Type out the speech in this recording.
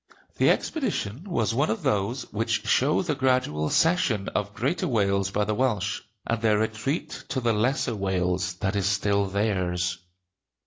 The expedition was one of those which show the gradual cession of greater Wales by the Welsh, and their retreat to the lesser Wales that is still theirs.